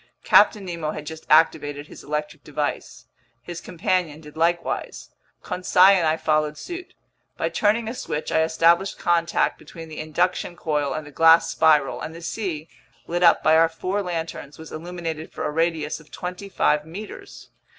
Captain Nemo had just activated his electric device. His companion did likewise. Conseil and I followed suit. By turning a switch, I established contact between the induction coil and the glass spiral, and the sea, lit up by our four lanterns, was illuminated for a radius of twenty five meters.